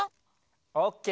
オッケー！